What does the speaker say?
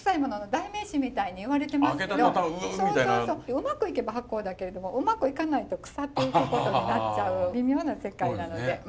うまくいけば発酵だけれどもうまくいかないと腐っていくことになっちゃう微妙な世界なので。